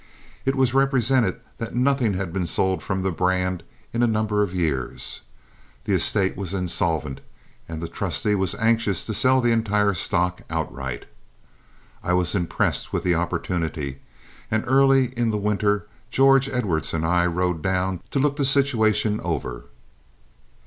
It was represented that nothing had been sold from the brand in a number of years, the estate was insolvent, and the trustee was anxious to sell the entire stock outright. I was impressed with the opportunity, and early in the winter George Edwards and I rode down to look the situation over.